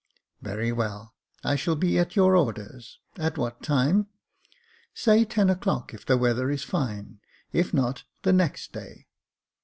Very well, I shall be at your orders — at what time ?" "Say ten o'clock, if the weather is line; if not, the next day."